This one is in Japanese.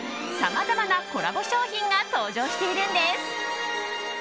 さまざまなコラボ商品が登場しているんです。